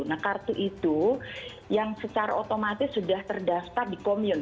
nah kartu itu yang secara otomatis sudah terdaftar di komin